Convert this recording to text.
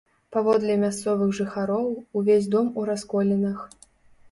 Паводле мясцовых жыхароў, увесь дом у расколінах.